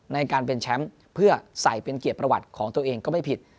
ในการเป็นแชมป์เพื่อใส่เป็นเกียรติประวัติของตัวเองก็ไม่ผิด